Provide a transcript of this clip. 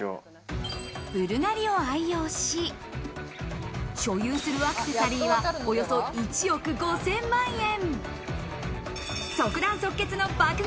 ブルガリを愛用し、所有するアクセサリーはおよそ１億５０００万円。